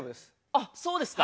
あそうですか。